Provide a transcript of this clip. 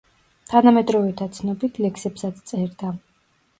თანამედროვეთა ცნობით, ლექსებსაც წერდა.